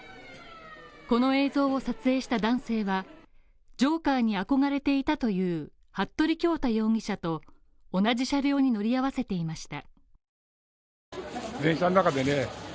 この映像を撮影した男性はジョーカーに憧れていたという服部恭太容疑者と同じ車両に乗り合わせていました。